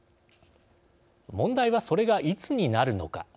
問題は、それがいつになるのか。